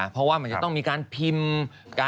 มันต้องมีการพิมพ์